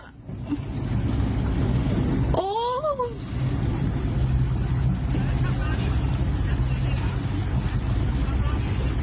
พี่บูรำนี้ลงมาแล้ว